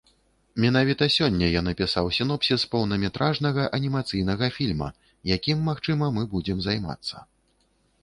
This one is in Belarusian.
Менавіта сёння я напісаў сінопсіс поўнаметражнага анімацыйнага фільма, якім, магчыма, мы будзем займацца.